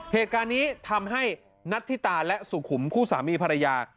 เหตุการณ์นี้ทำให้นัทธิตาและสุขุมคู่สามีภรรยา